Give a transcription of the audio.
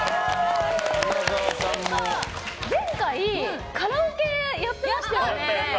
前回カラオケやってましたよね。